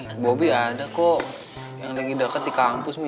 nih bobi ada kok yang lagi deket di kampus mi